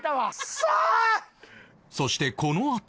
そしてこのあと